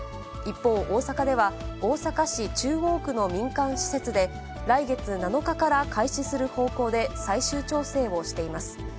一方、大阪では、大阪市中央区の民間施設で、来月７日から開始する方向で最終調整をしています。